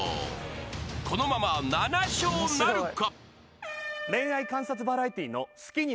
［このまま７笑なるか？］